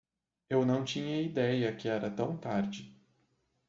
Eu não tinha ideia que era tão tarde.